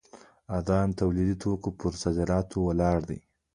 ارزانه تولیدي توکو پر صادراتو ولاړ دی.